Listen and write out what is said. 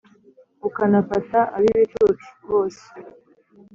ukanafata ab’ibicucu bose.